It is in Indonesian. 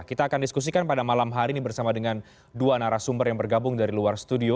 kita akan diskusikan pada malam hari ini bersama dengan dua narasumber yang bergabung dari luar studio